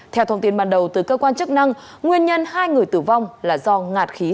theo thông tin ban đầu từ cơ quan chức năng nguyên nhân hai người tử vong là do ngạt khí